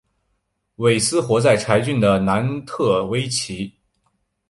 韦斯活在柴郡的南特威奇。